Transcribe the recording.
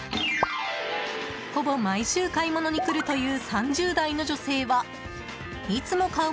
ほぼ毎週買い物に来るという３０代の女性はいつも買う